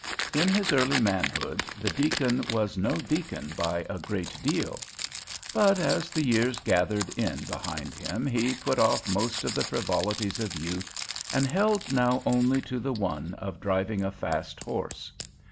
In his early manhood the deacon was no deacon by a great deal. But as the years gathered in behind him he put off most of the frivolities of youth and held now only to the one of driving a fast horse.